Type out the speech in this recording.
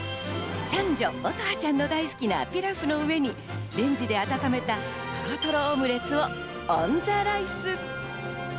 三女・音羽ちゃんが大好きなピラフの上に、レンジで温めた、とろとろオムレツをオンザライス。